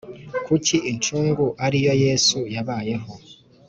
Kuki incungu ari yo yesu yabayeho